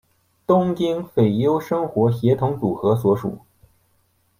东京俳优生活协同组合所属。